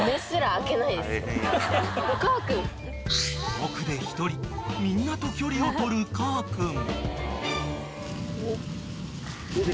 ［奥で１人みんなと距離を取るかーくん］